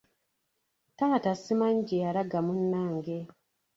Taata simanyi gye yalaga munnange.